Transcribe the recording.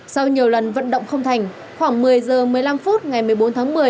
sau nhiều lần vận động không thành khoảng một mươi h một mươi năm phút ngày một mươi bốn tháng một mươi